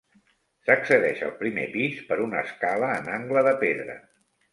S'accedeix al primer pis per una escala en angle de pedra.